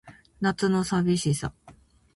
夏の淋しさ